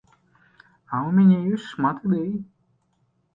А ў мяне ёсць шмат ідэй.